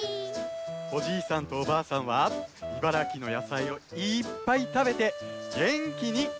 おじいさんとおばあさんは茨城のやさいをいっぱいたべてげんきにくらしましたとさ！